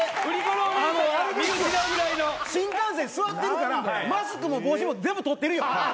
俺新幹線座ってるからマスクも帽子も全部取ってるよ。